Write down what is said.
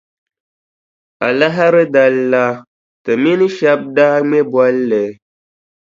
Alahiri dali la, ti mini shɛba daa ŋme bolli.